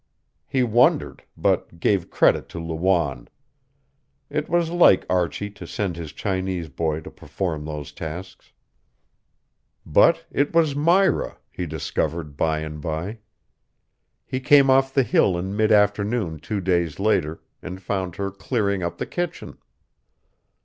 He wondered, but gave credit to Lawanne. It was like Archie to send his Chinese boy to perform those tasks. But it was Myra, he discovered by and by. He came off the hill in mid afternoon two days later and found her clearing up the kitchen.